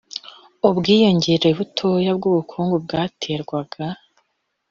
ubwiyongere butoya bw'ubukungu bwaterwaga